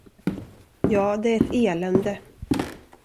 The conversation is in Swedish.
Ja, det är ett elände!